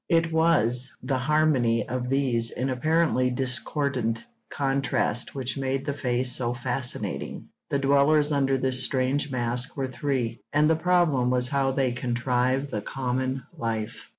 It was the harmony of these in apparently discordant contrast which made the face so fascinating; the dwellers under this strange mask were three, and the problem was how they contrived the common life.